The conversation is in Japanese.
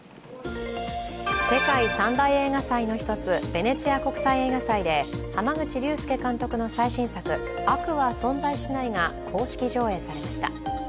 世界三大映画祭の１つ、ベネチア国際映画祭で濱口竜介監督の最新作「悪は存在しない」が公式上映されました。